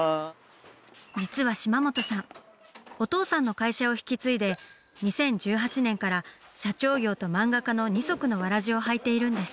実は島本さんお父さんの会社を引き継いで２０１８年から社長業と漫画家の２足のわらじをはいているんです。